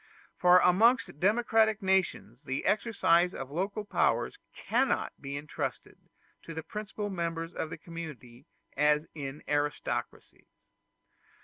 For amongst democratic nations the exercise of local powers cannot be intrusted to the principal members of the community as in aristocracies.